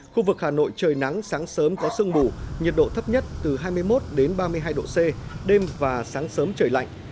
khu vực hà nội trời nắng sáng sớm có sương mù nhiệt độ thấp nhất từ hai mươi một ba mươi hai độ c đêm và sáng sớm trời lạnh